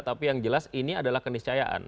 tapi yang jelas ini adalah keniscayaan